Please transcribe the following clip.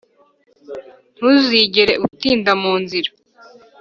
ntuzigere utinda mu nzira